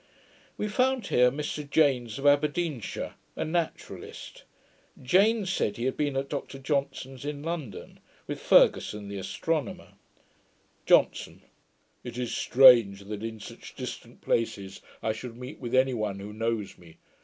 We found here Mr Janes of Aberdeenshire, a naturalist. Janes said he had been at Dr Johnson's in London, with Ferguson the astronomer. JOHNSON. 'It is strange that, in such distant places, I should meet with any one who knows me.